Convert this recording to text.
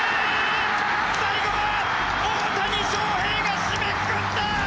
最後は大谷翔平が締めくくった！